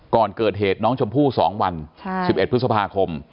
ก่อนเกิดเหตุน้องชมพู่๒วัน๑๑พฤษภาคม